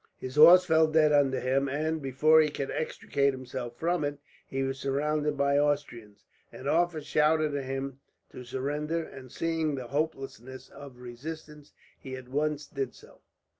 His horse fell dead under him and, before he could extricate himself from it, he was surrounded by Austrians. An officer shouted to him to surrender and, seeing the hopelessness of resistance, he at once did so.